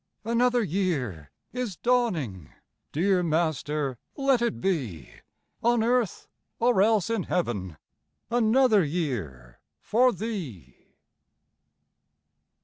Another year is dawning! Dear Master, let it be On earth, or else in heaven, Another year for Thee!